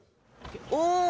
お！